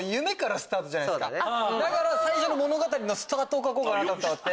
だから物語のスタートを描こうかなと思って。